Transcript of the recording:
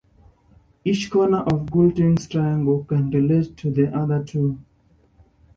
Each corner of Galtung's triangle can relate to the other two.